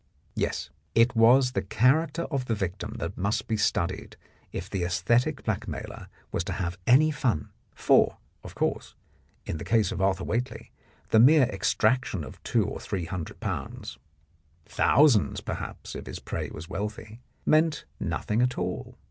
Yes, it was the character of the victim that must be studied if the aesthetic blackmailer was to have any fun, for, of course, in the case of Arthur Whately, the mere extraction of two or three hundred pounds (thousands, perhaps, if his prey was wealthy) meant nothing at all.